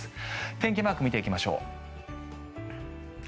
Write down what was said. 天気マーク見ていきましょう。